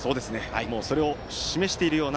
それを示しているような